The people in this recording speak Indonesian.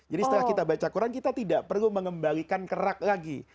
jadi setelah kita baca quran kita tidak perlu mengembalikan kerak lagi